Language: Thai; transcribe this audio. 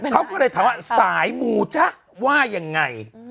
เขาก็เลยถามว่าสายมูจ๊ะว่ายังไง